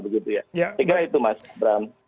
saya kira itu mas bram